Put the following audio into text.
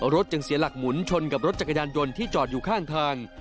รถจึงเสียหลักหมุนชนกับรถจักรยานยนต์ที่จอดอยู่ข้างทาง